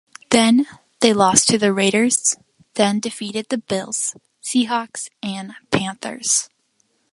They then lost to the Raiders, then defeated the Bills, Seahawks, and Panthers.